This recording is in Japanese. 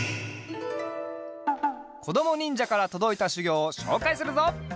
こどもにんじゃからとどいたしゅぎょうをしょうかいするぞ！